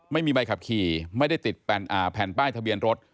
ไม่มีใบขับขี่ไม่ได้ติดแผ่นป้ายทะเบียนรถ